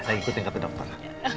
saya ikutin kata dokter